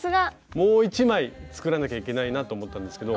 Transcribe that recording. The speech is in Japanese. もう一枚作らなきゃいけないなと思ったんですけど。